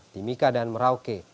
timika dan merauke